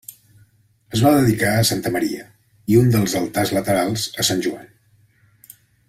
Es va dedicar a Santa Maria i un dels altars laterals a Sant Joan.